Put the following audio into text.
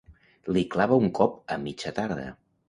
Li clava un cop a mitja tarda.